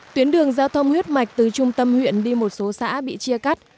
tuyến đường giao thông huyết mạch từ trung tâm huyện đi một số xã bị chia cắt